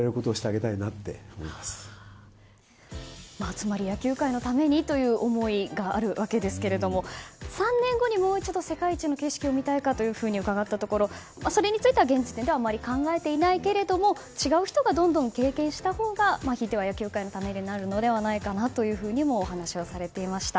つまり、野球界のためにという思いがあるわけですけれども。３年後にもう一度世界一の景色を見たいかと伺ったところそれについては現時点ではあまり考えていないけれども違う人がどんどん経験したほうが引いては野球界のためになるのではないかとお話をされていました。